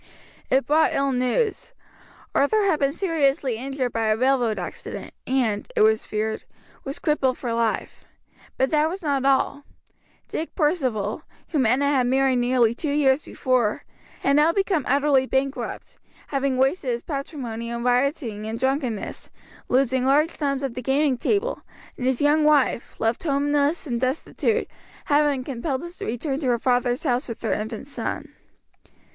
It brought ill news. Arthur had been seriously injured by a railroad accident and, it was feared, was crippled for life. But that was not all. Dick Percival whom Enna had married nearly two years before had now become utterly bankrupt, having wasted his patrimony in rioting and drunkenness, losing large sums at the gaming table; and his young wife, left homeless and destitute, had been compelled to return to her father's house with her infant son.